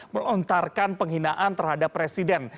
menghentarkan penghinaan terhadap presiden